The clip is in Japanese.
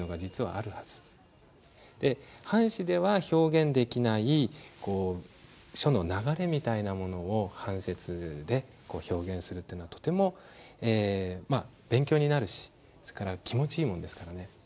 で半紙では表現できない書の流れみたいなものを半切で表現するというのはとても勉強になるしそれから気持ちいいものですからね。